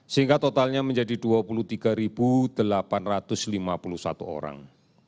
sehingga totalnya menjadi dua puluh tiga delapan ratus lima puluh satu orang